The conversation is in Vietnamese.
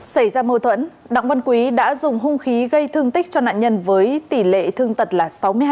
xảy ra mâu thuẫn đặng văn quý đã dùng hung khí gây thương tích cho nạn nhân với tỷ lệ thương tật là sáu mươi hai